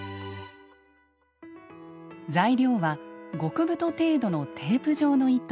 材料は極太程度のテープ状の糸。